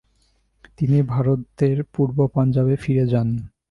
তিনি ভারতের পূর্ব পাঞ্জাবে ফিরে যান।